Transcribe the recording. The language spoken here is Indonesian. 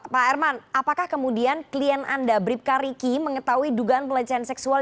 pak herman apakah kemudian klien anda bribka riki mengetahui dugaan pelecehan seksual